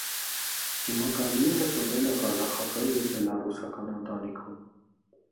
Ջումագալիևը ծնվել է ղազախական և բելառուսական ընտանիքում։